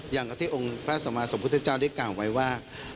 อย่างกับที่องค์พระสมาสมพุทธเจ้าได้กล่าวไว้ว่า